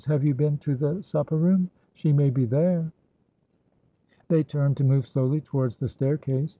Have you been to the supper room? She may be there." They turned to move slowly towards the staircase.